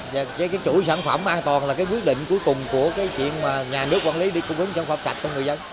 và chuỗi sản phẩm an toàn là quyết định cuối cùng của nhà nước quản lý đi cung cấp trong phạm sạch của người dân